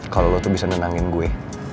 kalau lo tuh bisa nenangin gue